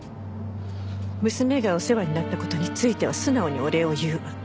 娘がお世話になった事については素直にお礼を言うわ。